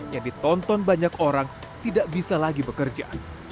yang ditonton banyak orang tidak bisa lagi bekerja